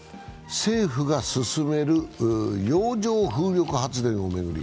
政府が進める洋上風力発電を巡り